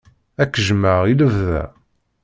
Ad k-jjmeɣ i lebda.